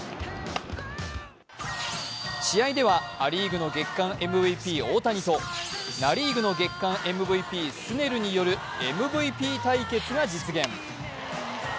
試合ではア・リーグの月間ＭＶＰ、大谷とナ・リーグの月間ＭＶＰスネルによるＭＶＰ対決が実現。